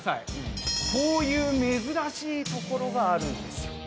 こういう珍しい所があるんですよ。